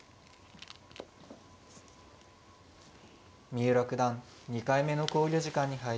三浦九段２回目の考慮時間に入りました。